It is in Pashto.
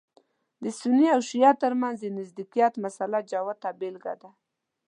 د سني او شعیه تر منځ د نزدېکت مسأله جوته بېلګه ده.